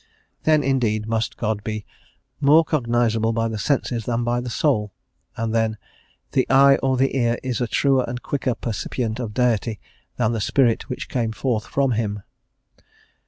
Then, indeed, must God be "more cognizable by the senses than by the soul;" and then "the eye or the ear is a truer and quicker percipient of Deity than the Spirit which came forth from Him."